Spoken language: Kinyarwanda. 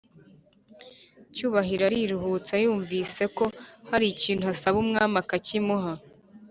cyubahiro ariruhutsa yumviseko harikintu asaba umwami akakimuha